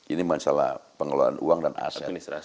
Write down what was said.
ini masalah pengelolaan uang dan aset